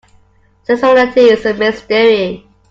Sexuality is a mystery.